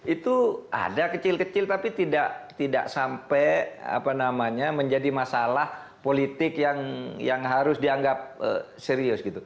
itu ada kecil kecil tapi tidak sampai menjadi masalah politik yang harus dianggap serius gitu